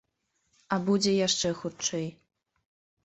А будзе яшчэ хутчэй.